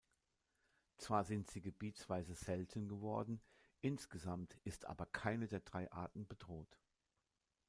Zwar sind sie gebietsweise selten geworden, insgesamt ist aber keine der drei Arten bedroht.